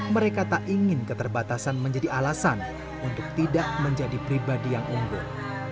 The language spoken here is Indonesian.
mereka tak ingin keterbatasan menjadi alasan untuk tidak menjadi pribadi yang unggul